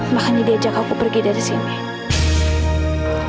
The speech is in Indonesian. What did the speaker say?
maka nih dia ajak aku pergi dari sini